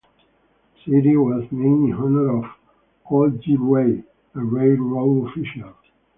The city was named in honor of Al G. Ray, a railroad official.